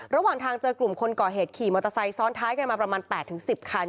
ระหว่างทางเจอกลุ่มคนก่อเหตุขี่มอเตอร์ไซค์ซ้อนท้ายกันมาประมาณ๘๑๐คัน